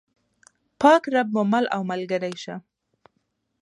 پاک رب مو مل او ملګری شه.